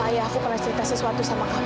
apa ayahku pernah cerita sesuatu sama kamu